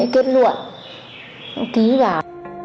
kết luận ký vào